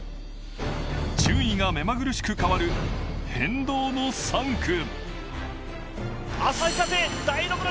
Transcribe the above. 順位が目まぐるしく変わる変動の３区。